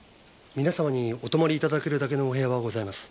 皆さんにお泊まりいただけるだけのお部屋はございます。